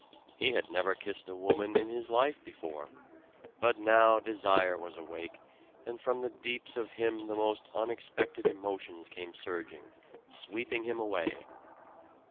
He had never kissed a woman in his life before but now desire was awake, and from the deeps of him the most unexpected emotions came surging, sweeping him away.